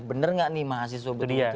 bener nggak nih mahasiswa beruntung